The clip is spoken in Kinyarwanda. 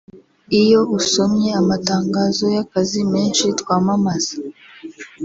Iyo usomye amatangazo y’akazi menshi twamamaza